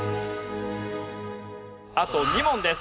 あと２問です。